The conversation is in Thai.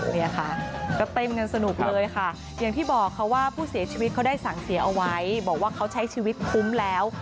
เนี่ยค่ะก็เต้นกันสนุกเลยค่ะอย่างที่บอกค่ะว่าผู้เสียชีวิตเขาได้สั่งเสียเอาไว้บอกว่าเขาใช้ชีวิตคุ้มแล้ว